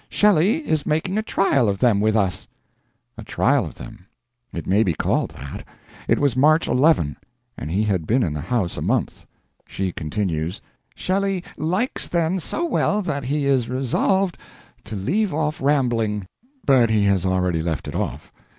Shelley is making a trial of them with us " A trial of them. It may be called that. It was March 11, and he had been in the house a month. She continues: Shelley "likes them so well that he is resolved to leave off rambling " But he has already left it off.